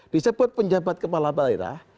disebut penjabat kepala daerah